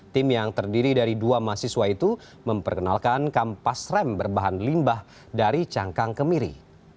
tim yang terdiri dari dua mahasiswa itu memperkenalkan kampas rem berbahan limbah dari cangkang kemiri